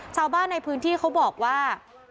ชาวบ้านในพื้นที่เขาบอกว่า